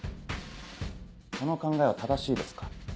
この考えは正しいですか？